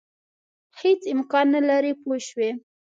هېڅ امکان نه لري پوه شوې!.